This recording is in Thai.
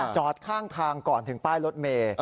จอดข้างทางก่อนถึงป้ายรถเมย์